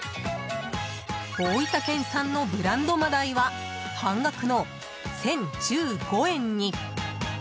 大分県産のブランド真鯛は半額の１０１５円に。